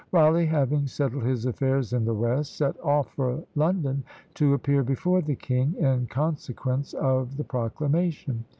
Rawleigh having settled his affairs in the west, set off for London to appear before the king, in consequence of the proclamation.